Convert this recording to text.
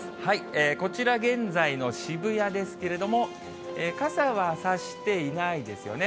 こちら、現在の渋谷ですけれども、傘は差していないですよね。